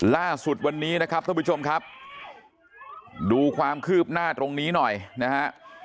ล่าสุดวันนี้นะครับท่านผู้ชมครับดูความคืบหน้าตรงนี้หน่อยนะฮะ